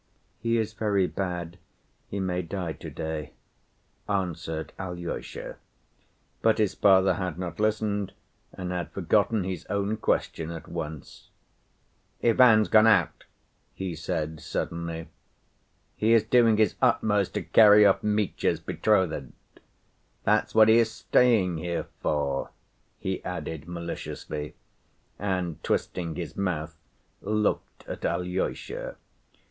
"He is very bad; he may die to‐day," answered Alyosha. But his father had not listened, and had forgotten his own question at once. "Ivan's gone out," he said suddenly. "He is doing his utmost to carry off Mitya's betrothed. That's what he is staying here for," he added maliciously, and, twisting his mouth, looked at Alyosha.